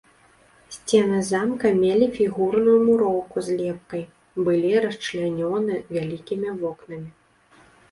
Сцены замка мелі фігурную муроўку з лепкай, былі расчлянёны вялікімі вокнамі.